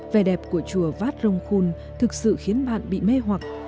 vẻ đẹp của chùa vát rồng khun thực sự khiến bạn bị mê hoặc